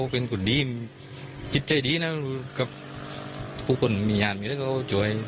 เป็นคนดีจิตใจดีนะกับผู้คนมีงานมีแล้วก็ช่วย